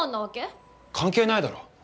関係ないだろ。